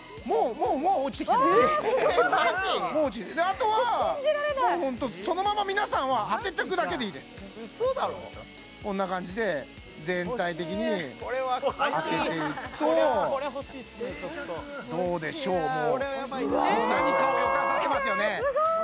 もうもう落ちてきていますわあすごい！であとはもうホントそのまま皆さんは当てておくだけでいいですこんな感じで全体的に当てていくとどうでしょうもう何かを予感させますよねすごい！